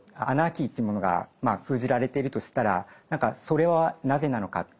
アナーキーというものがまあ封じられてるとしたらそれはなぜなのか。